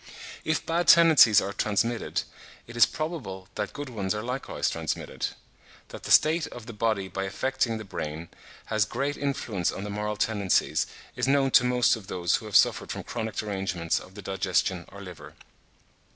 If bad tendencies are transmitted, it is probable that good ones are likewise transmitted. That the state of the body by affecting the brain, has great influence on the moral tendencies is known to most of those who have suffered from chronic derangements of the digestion or liver.